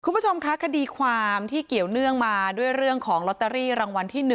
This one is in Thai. คุณผู้ชมคะคดีความที่เกี่ยวเนื่องมาด้วยเรื่องของลอตเตอรี่รางวัลที่๑